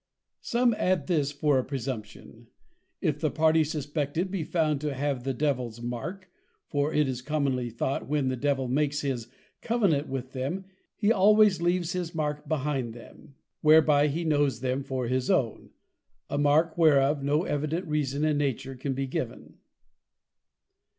_Some add this for a Presumption: If the Party suspected be found to have the Devil's mark; for it is commonly thought, when the Devil makes his Covenant with them, he alwaies leaves his mark behind them, whereby he knows them for his own: a mark whereof no evident Reason in Nature can be given.